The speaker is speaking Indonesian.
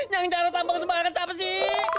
yang jangan tambang sembarangan siapa sih